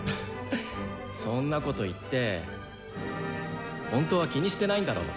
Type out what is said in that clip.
そんなこと言って本当は気にしてないんだろ？